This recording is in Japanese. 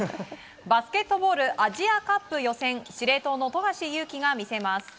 バスケットボールアジアカップ予選司令塔の富樫勇樹が見せます。